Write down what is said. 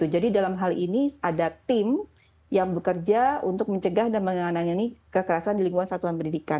jadi dalam hal ini ada tim yang bekerja untuk mencegah dan menganangi kekerasan di lingkungan satuan pendidikan